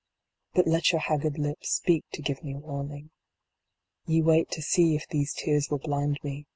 But let your haggard lips speak to give me warning. Ye wait to see if these tears will blind me.